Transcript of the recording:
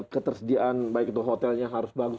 ketersediaan baik itu hotelnya harus bagus